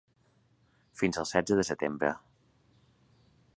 Fins al setze de setembre.